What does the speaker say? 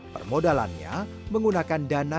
permodalannya menggunakan dana stipendial